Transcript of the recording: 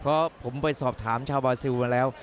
เพราะผมไปสอบถามชาวบาซิลมาแล้ว